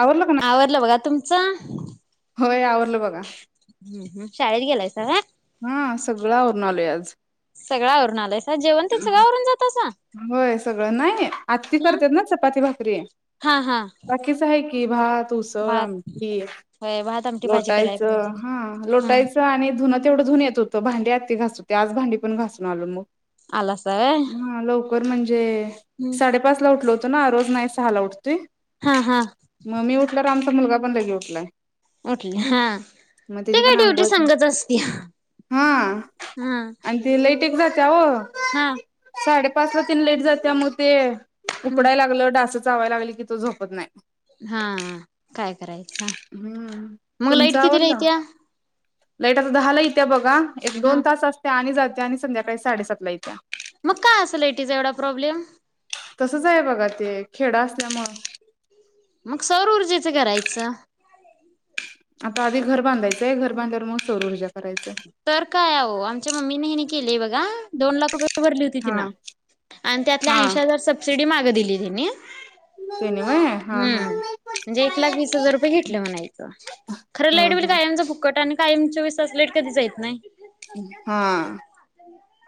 आवरलं का नाही आवरलं बघा तुम च होय आवरलं बघा. शाळेत गेलाय काय हा सगळं आवरून आलोय आज. सगळं आवरुन आलायस जेवण तेन सगळं आवरुन जातायसा? होय सगळं नाही आत्ती करत्यात ना चपाती भाकरी हा हा बाकीच आहे तय की भात. त उसळ भात आमटी, होय भात आमटी भाजी कराय लोटायचं पाहिजे. हा हम्म लोटायचं आणि धुणं तेवढ धून य होतं भांडी आत ते घासत होते आज भांडी पण घासून आलो मग आलासा व्हय? कर म्हंजे ते हम्म साडेपाचला उठलवतो ना रोज नाही सहाला उठते. हा हा मगमी उठला. आमचा मुलगा पण ले उठलाय. उठली हा मग ते तची काय पण ड्युटी अंघोळच आहे संगच असत्या हा हा आणि त लईट जे हो हा साडे पाचला तीन लेट जात मग ते हम्म उकडाला लागलं डास जा लागल की तो झोपत नाही. हा काय करायचं हम्म मग तुमचं लाईट किती आवरलं? येतीया. लाईट आता दहाला येत्या बघा. एक दोन तास असते आणि ज आणि संध्याकाळी साडेसात ला येत्या मग काय असल इट इज एवढा प्रॉब्लेम. तसच आहे बघा ते खेड असल्यामु मग सौर ऊर्जेचं करायचं. आता आधी घर बांधायचंय घर बांधयवर मग सोरूर जाातत. तर काय आहे आमच्या मम्मीने हेि केले ब दोन लाख रुपय. [unintelligible] आग हा दिल तिन हा [unintelligible] तेनी व्हय हा हा. हूं म्हणजे एक लाख वीस हजार रुपये घेतले म्हणायचं, खरं लाईट हम्म बील हम्म कायमच फुक्कट आणि कायमचे विसरले. कधीच येत नाय. हा.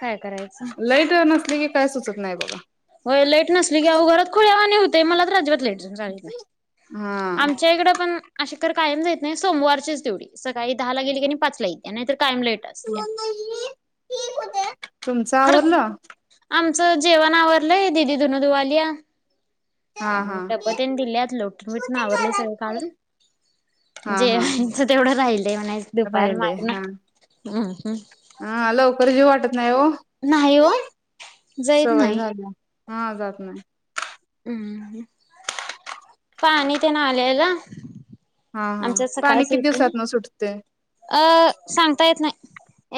काय करायचं लाईट अं नसली की काय सुचत. नाय बाबा. होय लाईट नसली की अहो घरात खुळ्यावानी होते, मला तर अजिबात लाईट हा. आमच्या इकड पण अशा. तर कायम जाईत नाही सोमवारचीच तेवढी, सकाळी दहा ला गेली की मी पाच ला येते. नाही तर होत [inaudible] तुमच आवरडला मचं जेवण आवरलंय दीदी धून दुवा लिया. हा हा टबतने दिलेत लोटून बिटून आवरले हा सगळे काम हा जेवायचं तेवढं राहिलं. म्हणा दुपार राहिले माग ना. हा हं. हा लवकर जी वाटत. नाही हो नाही हो जाईत सवय नाही झाल्या. हा जात नाही. हम्म हं. पाणी तेन आलयं ग. हा हा आमच्यात पाणी सकाळच किती येतयं दिवसात न सुटते ना अ सांगता येत नाही.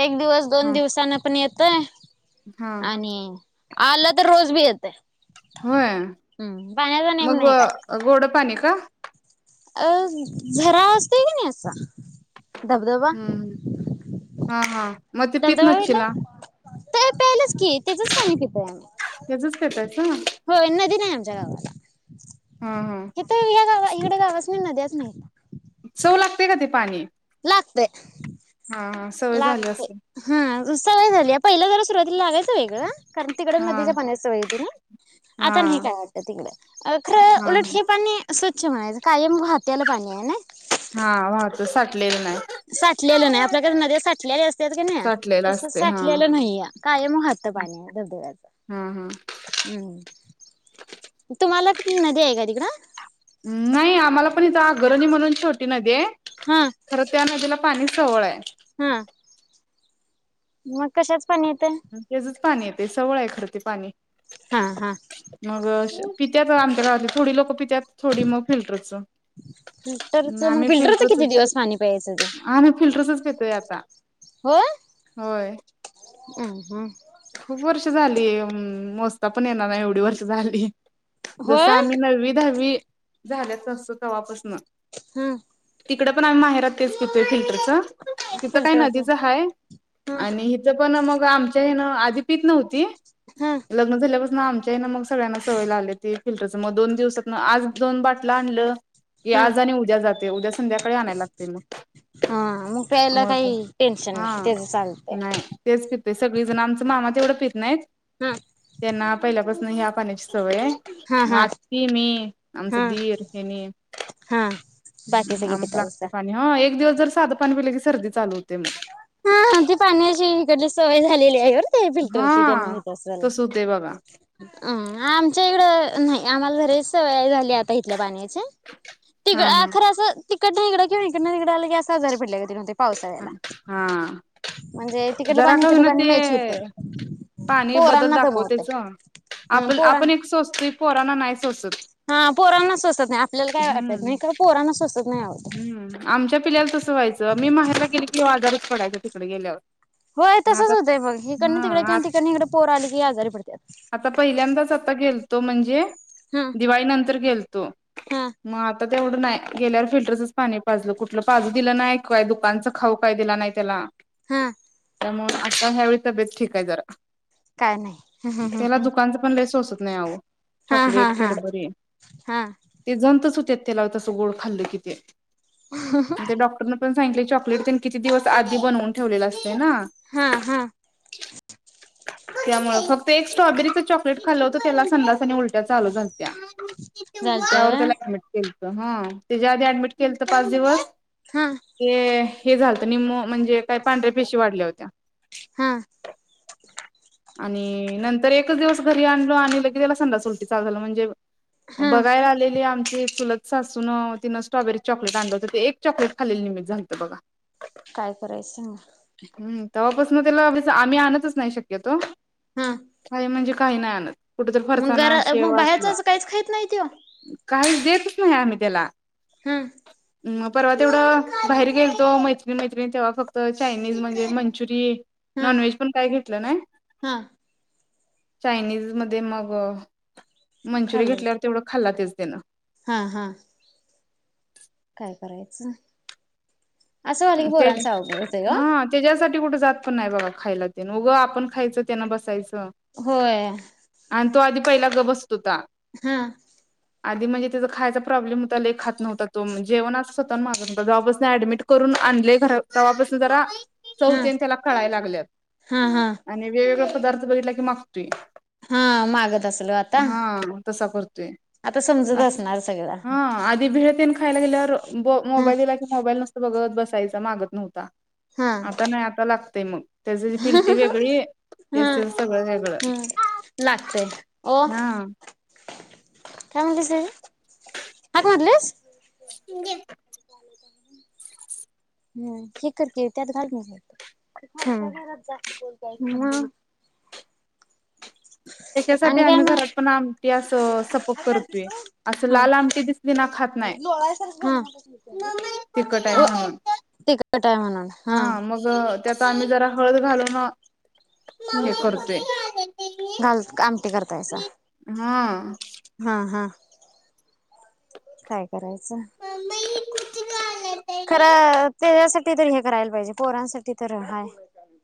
एक दिवस दोन हा दिवसाने पण ये ते हा आणि आला तर रोज बी येतयं. होय नेम मग नाही काय. गो गोड पाणी का? अ झरा असतोय कनी असा दबदबा हम्म हा हा. मग ते पित धबधबा बघितलाय? नसशीला तर प्यायलाच की त्याचच पाणी पितोय त्याचच आम्ही. पेतायच होय नदी नाही आमच्या गावाला. हा हा तिथ या गावा इकड गावसनी नद्याचं नाही बघ. चव लागते का ते पाणी? लागतय, हा हा सवय झाली लागतय असेल हा उस सवय झालीया पहिलं जरा सुरवात [unintelligible] लागत नाही गं. कारण तिकड हा नदीच्या पाण्याची सोय होती ना. हा आता नाही काय वाटतं हीकड खरं हा उलट हा हे पाणी स्व [unintelligible] कायम राहत्याल पाणी आहे ना. हा वाहत सा साठलेलं नाही आपल्याकडे नद्या साठलेले असतात की नाही, साठलेलं तस असते हा साठलेलं नाही कायम वहात पाणी हा हा धबधब्याचं हम् तुम्हाला ती नदी आहे का तिकडं? नाही आम्हाला पण इथं 'अगरणी' म्हणून छोटी नदी हाय. हा खरं त्या नदीला पाणी सोवळाय. हा मग कशाचं पाणी येतय? त्याचच पाणी येतय सवळ आहे खर ते पाणी. हा हा [inaudible] मग श पित्यात आमच्या गावातली. थोडी लोक पी त्यात थोडी मग फिल्टरच. फिल्टरच मग आम्ही फिल्टरच किती की. दिवस पाणी प्यायचं ते फिल्टरचच पितोय आता. [inaudible] होय. हम्म हम्म. खूप वर्ष झाली मोजता पण येणार नाही एवढी वर्ष झाली. हो जस आम्ही नववी दहावी झाल्या तसं तवापासनं. ह तिकड पण आम्ही माहेरात तेच पीतोय फिल्टरच. तिथं काय फिल्टरच नदीच हाय हा आणि हित पण मग आमच्या ह्यांना आदि पीत नव्हती. हा लग्न झाल्यापास ना आम च्यानं मग सगळ्यांना सवय लागल्या ती फिल्टरचं मग दोन दिवसांतनंआज दोन बाटलं आणलं की हा आज आणि उद्या जातंय, उद्या संध्याकाळी आणायला लागतंय मग हा मग प्यायला मग काही टेन्शन नाही हा त्याच चालतय नाही तेच की. ते सगळी जण आमच मामा तेवढं पीत नाहीत. हं. त्यांना पहिल्यापासून ह्या पाण्याची सवय आहे. हा हा आत्ती, मी, हा आमचं दीर, हेनी हा बाकी सगळी आम्हाला पितायसा लागतंय पाणी. हं एक दिवस तर साध पाणी पलं की सर्दी चालू होते म. हा ती पाण्याची इकडली सवय झालेली आहे. ते फिल्टरचे तेन हा न्हेत असल, तस होते बघा अ आमच्या इकडं न्हाई आम्हाला घरीच सवय झाल् ल्या आता इथल्या पाण्याची, हा तिकडं हा खरं असं तिकडंन हिकडं किव्हा हिकडंन तिकडं आलं की असं आजारी पडल्यागत तेन होतंय. हा पावसाळ्याला. हा म्हणजे तिकडलं जरा पाणी का इकडलं होईना पाणी ते मेच होतंय. पाणी बदल पोरांना दाखव दमवतय, त्याच हम आप पोरां आपण एक सोचतोय पोरांना नाही सोचत हा पोरांना सोसत नाही. आपल्याला काय वाटत नाही. खर पोरांना सो हम् आमच्या पिल्ल्याला तसं व्हायचं मी माहेरी गेले केली ह्यो आजारी पडायचा तिकडे गेल्यावर. होय तसच आता होतंय मग हिकडंन तिकडे किंवा हा तिकडंन हिकडं पोरं आली की आजारी पडत्यात. तो म्हणजे हं दिवाळी नंतर गेल त हं मग आता तेवढं नाही गेल्यावर फील टरचंच पाणी पाजलं कुठलं पाजू दिलं नाही काय दुकानचं खाऊ काय दिला नाही त्याला. हं त्यामुळं आता ह्यावेळी तब्येत ठीक आहे जरा काय नाही हं हं हं त्याला हं दुकानचा पण लेय सोसत नाही आहो चॉकलेट, हां हां हां कॅडबरी हां ते जंतच हु त्यात त्याला तसं गोड खाल्ल कि ते ते डॉक्टरन पण सांगलय चॉकलेट तेन किती दिवस आधी बनवून ठेवलेल अस हा हा त्यामुळे फक् ते एक एक्ट्रॉबेरीचं चॉकलेट खालं होतं त्याला संडास आणि उलट्या चालू झालं त्या झालत्या त्यावर व्हय त्याला ऍडमिट केलत्या ह त्याच्या आधी ऍडमिट केलंत पाच दिवस हां ते हे झालं निमो म्हणजे काय पांढऱ्या पेशी वाढल्या होत्या. हां आणि नंतर एकच दिवस घरी आणलो आणि लगे त्याला संडास उलटी चालू झाला म्हणजे हां बघायला आलेली आम ते चूलत सासून तिनं स्ट्रॉबेरी चॉकलेट आणलंवतं ते एक चॉकलेट खालेल निमित झालतं बघा. काय करायच सांगा हम्म तवापासून त्याला उगीच आम्ही आणतच नाही शक्यतो हां काय म्हणजे काही नाही आणत कुठ तर मग घर फरसाना शेव मग बाहेरच असलं असं काहीच खाहीत नाही त्यो काहीच देतच नाही आम्ही त्याला हम्म म परवा तेवढं बाहेर गेलतो मैत्रिणी मैत्रिणी तेव्हा फक्त चायनीज म्हणजे मंचुरी हं नॉन व्हेज पण काय घे नाय हां चायनीज मध्ये मग मंचुरी घेतल्यावर तेवढं खाल्ला तेज त्यान हा हा काय? करायचं असं झालं की ते पोरांचं अवघड होतंय गं हा त्याज्यासाठी कुठ जात पण नाही बघा खायला तेन उग आपण खायचं त्यांना बसायच तो होय आणि तो आधी पयला गप बस हा आधी म्हणजे त्याचा खायचा प्रॉब्लेम होता. लई खात नव्हता तो जेवण अस स्वतःहून मागत नव्हता तो जवापासून ऍडमिट करून आणले घर तेव्हापासून जरा चव हां तेन त्याला कळायला हां हां लागल्यात आणि वेग पदार्थ बघितला की मा हा मागत असल वो आता हा तसा करतो आता समजत असणार सगळं हा आधी भेळ तेन खायला गेल्यावर ह मोबाईल दिला की मोबाईल नसत्या बघत बसायचा मागत नव्हता आता नाही आता लाग ते मग त्याची पिलटी वेगळी तेच हम तेच सगळं वेगळं हम लागतेय वो हा काय म्हटलीस हाक मारलीस? [inaudible] दे हम्म हे कर की त्यात घाल नाही मग त्याच्यासाठी आणि काय आम्ही मग घरात पण आमटी असं सपक करतोय. अस हा लाल आमटी दिसली ना खात नाही. हा तिखट आहे म्हणून तिखट आहे म्हणून हा मग त्याचा आम्ही जरा हळद घालून ह हे करतोय घाल आमटी करताइसा हा. हा हा काय? करायच त्याच्यासाठी तर हे करायला पाहिजे पोरांसाठी तर हाय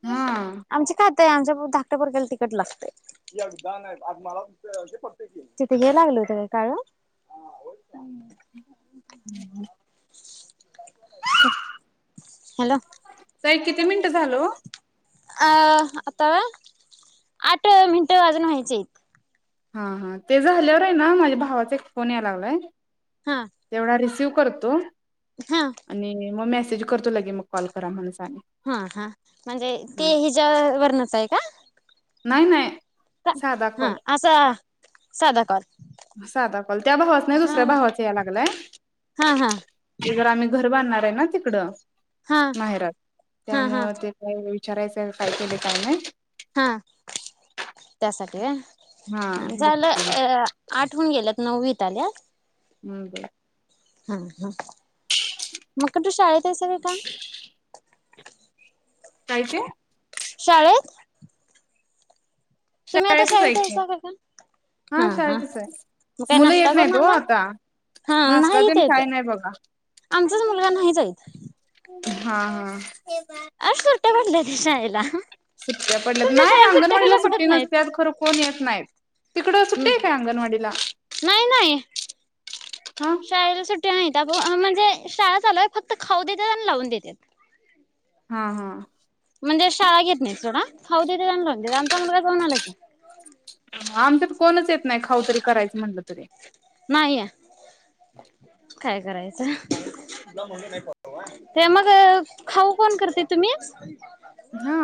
हा आमच्या का ते आमच्या धाकट्या पोरग्याला तिकट लागतय. म तिथे हे लागले होते का काळ हॅलो ताई एक किती मिनिट झाल ओ अ आता आठ मिनटं वाजून व्हायचेत हां हां ते झाल्यावर आहे ना माझ्या भावाचा एक फोन यायला लागलाय हा तेवढा रिसिव करतो हा आणि मसे मॅसेज करतो लगेच मग कॉल करा म्हणल हां हां म्हणजे ते हिजा वर्णच आहे का नाही नाही साधा कॉल हा असा साधा कॉल साधा कॉल त्या भावाचा नाही हा दुसऱ्या भावाचा या लागलाय हा हा जर आम्ही घर बांधणार. आहे ना तिकडं. हा माहेरात हा हा त्यामुळ ते कुणी विचारायचं काय केले काय माहित. हा त्यासाठी हा होय. झालं बघतो अ आठवून गेलं. नववी त आल्यात. हम् बर. हम हम मग कुठं तू शाळेत असवी का. कायचे. शाळेत. तुम्ही आता शाळेतच आहे शाळेत की आहेसा का काय? हा शाळचच मग आहे काय मुलं नाश्ता येत नाहीत करून ओ आला? आता हा नाश्ता नाही इथं तेन येत काही नाही बघा. आमचाच मुलगा नाही जाईत. हां हां. आज सुट्ट्या पडल्या की शाळेला सुट्ट्या पडल्यात तुमच्या नाही शाळेला सुट्ट्या अंगणवाडीला कशा पडत नाहीत. तिकड सुट्टी हाय काय अंगनवाडीला नाही नाही शाळेला सुट्टी. नाही म्हणजे शाळा चालू आहे फक्त खाऊ देतात आणि लावून देतात. हां हां. म्हणजे शाळा घेत नाही सोडा खाऊ देत्यात लाऊन देत्यात आमचा मुलगा जाऊन आला की आम कोणच येत नाही खाऊ तरी करायचं म्हटलं तरी नाही काय करायचं ते मग खाऊ कोण करते तुम्हीच हा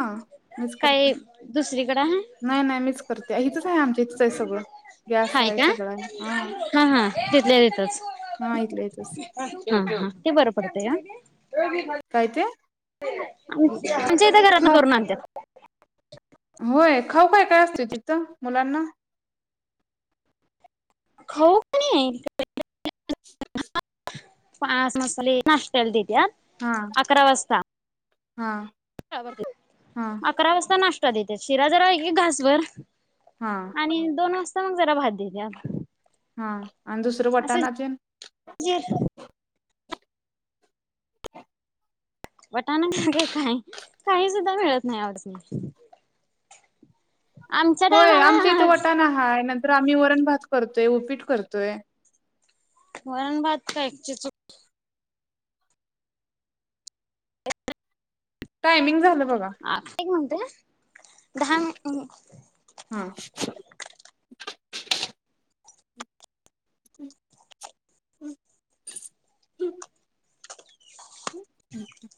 मीच करते दुसरीकडे आहे नाही नाही मीच करते इथच आहे आमच्या इथ आहे सगळं गॅस हाय आहे का सगळं आहे हा हा तिथल्या तिथंच हा इथलं इथच. ती बरं पडत हां. काय ते अचछ. म्हणजे ए्या घरातना खा करून आणत्या. होय खाऊ काय काय असत तिथं मुलांना खाऊ का नाही. शु शुक पास मसाले म द. हा अकरा वाजता हा. बब हा अकरा वाजता नाश् देते शिरा जरा घासभर हा आणि दोन वाज् या मग जरा भाात देत्यात हा आणि दुसर वटाणा तेन जे वटाण का का काही सुद्धा मिळत नाही, आवडस [inaudible] होय आमच इथं वटाण हाय नं तर आम्ही वरण -भात करतोय, उपीट करतोय. वरण -बात कायची चु टायमिंग झालं. बघा अ एक मिनिटं हम दहा न हा [unintelligible] हम्म हम्म